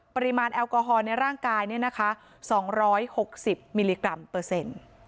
ปริมาณแอลกอฮอลในร่างกายเนี่ยนะคะ๒๖๐มิลลิกรัมเปอร์เซ็นต์